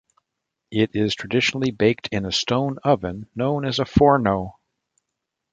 It is traditionally baked in a stone oven known as a "forno".